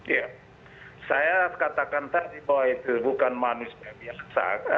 ya saya katakan tadi bahwa itu bukan manusia biasa